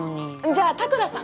じゃあ田倉さん。